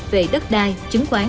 về đất đai chứng khoán